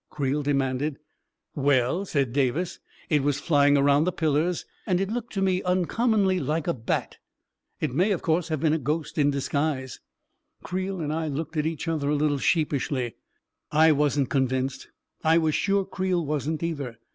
Creel demanded. " Well," said Davis, " it was flying around the pillars, and it looked to me uncommonly like a bat. It may, of course, have been a ghost in dis guise I " Creel and I looked at each other a little sheep ishly. I wasn't convinced; I was sure Creel wasn't, either.